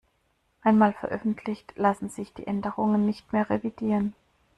Einmal veröffentlicht, lassen sich die Änderungen nicht mehr revidieren.